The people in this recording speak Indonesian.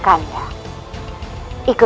kalu memang benar